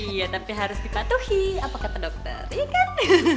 iya tapi harus dipatuhi apa kata dokter iya kan